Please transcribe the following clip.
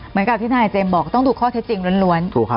เหมือนกับที่ทนายเจมส์บอกต้องดูข้อเท็จจริงล้วน